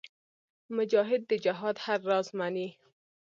مجاهد د جهاد هر راز منې.